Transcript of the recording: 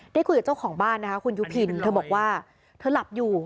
ได้คุยกับเจ้าของบ้านนะคะคุณยุพินเธอบอกว่าเธอหลับอยู่